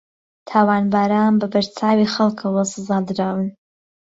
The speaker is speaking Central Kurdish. تاوانباران بە بەرچاوی خەڵکەوە سزادراون